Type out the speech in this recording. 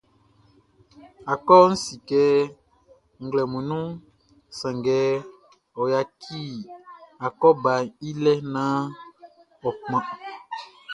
Akɔʼn si kɛ nglɛmun nunʼn, sanngɛ ɔ yaci akɔbaʼn i lɛ naan ɔ kpan.